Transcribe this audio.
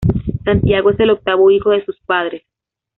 Santiago es el octavo hijo de sus padres.